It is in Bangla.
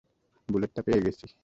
বুলেটটা পেয়ে গেছি।